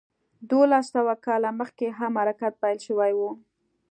دولس سوه کاله مخکې هم حرکت پیل شوی و.